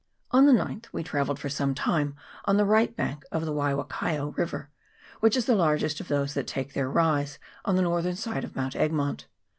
On the 9th we travelled for some time on the right bank of the Waiwakaio river, which is the largest of those that take their rise on the northern side of Mount Egmont.